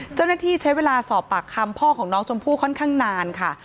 เจ้าหน้าที่ใช้เวลาสอบปากคำพ่อของน้องชมพู่ค่อนข้างนานค่ะ